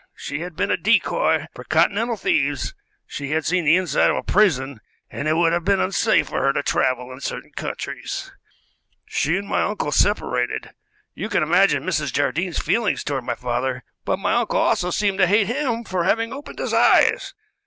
She had been a decoy for Continental thieves, she had seen the inside of a prison, and it would have been unsafe for her to travel in certain countries. She and my uncle separated. You can imagine Mrs. Jardine's feelings toward my father, but my uncle also seemed to hate him for having opened his eyes.